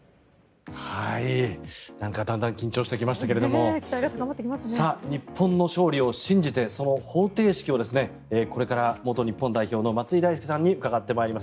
なんかだんだん緊張してきましたけれども日本の勝利を信じてその方程式をこれから元日本代表の松井大輔さんに伺ってまいります。